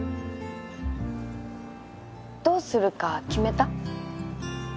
どうするか決めた？